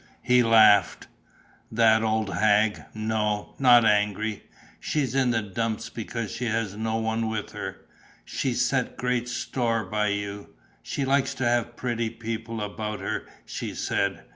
He laughed: "That old hag! No, not angry. She's in the dumps because she has no one with her. She set great store by you. She likes to have pretty people about her, she said.